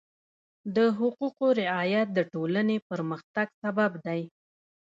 د حقوقو رعایت د ټولنې پرمختګ سبب دی.